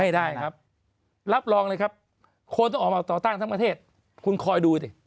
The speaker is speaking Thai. ไม่ได้ครับรับรองเลยครับคนต้องออกมาต่อต้านทั้งประเทศคุณคอยดูสิ